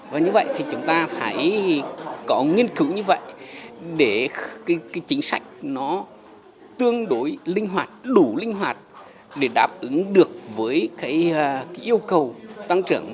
và như vậy thì chúng ta phải có nghiên cứu như vậy để cái chính sách nó tương đối linh hoạt đủ linh hoạt để đáp ứng được với cái yêu cầu tăng trưởng